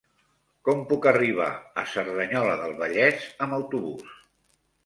Com puc arribar a Cerdanyola del Vallès amb autobús?